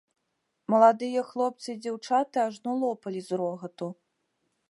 Маладыя хлопцы і дзяўчаты ажно лопалі з рогату.